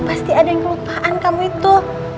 pasti ada yang kelupaan kamu itu